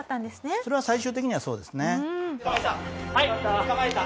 それは最終的にはそうですね。